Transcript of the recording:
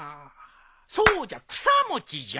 そうじゃ草餅じゃ！